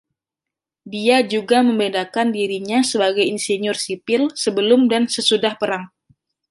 Dia juga membedakan dirinya sebagai insinyur sipil sebelum dan sesudah perang.